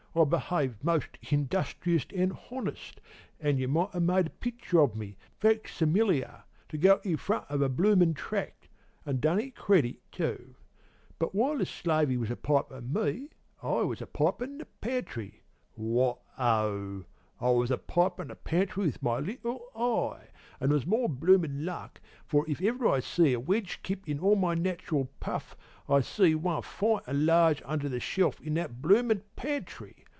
I behaved most industrious an' honest, an' you might ha' made a picture of me, facsimiliar, to go in front of a bloomin' tract, an' done it credit, too. But while the slavey was a pipin' me, I was a pipin' the pantry what ho! I was a pipin' the pantry with my little eye, and there was more bloomin' luck; for if ever I see a wedge kip in all my nach'ral puff, I see one fine an' large under the shelf in that bloomin' pantry!